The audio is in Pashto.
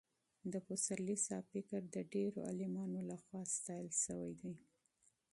د پسرلي صاحب فکر د ډېرو عالمانو له خوا ستایل شوی دی.